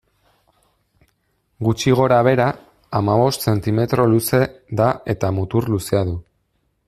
Gutxi gorabehera, hamabost zentimetro luze da eta mutur luzea du.